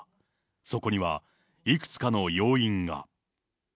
そこにはいくつかの要因が。